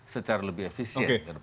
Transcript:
secara lebih efisien